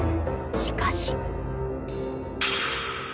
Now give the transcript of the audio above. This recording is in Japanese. しかし。